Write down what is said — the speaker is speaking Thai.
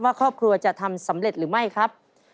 ครอบครัวจะทำสำเร็จหรือไม่ครับ